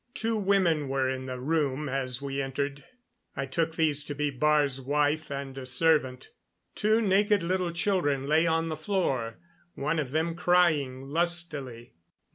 Two women were in the room as we entered. I took these to be Baar's wife and a servant. Two naked little children lay on the floor, one of them crying lustily.